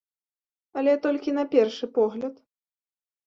Але толькі на першы погляд.